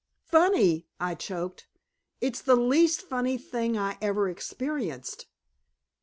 "Funny," I choked. "It's the least funny thing I ever experienced.